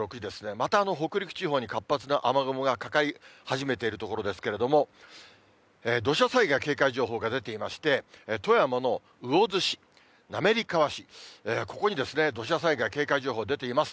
また北陸地方に活発な雨雲がかかり始めているところですけれども、土砂災害警戒情報が出ていまして、富山の魚津市、滑川市、ここに土砂災害警戒情報出ています。